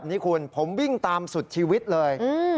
เพราะถูกทำร้ายเหมือนการบาดเจ็บเนื้อตัวมีแผลถลอก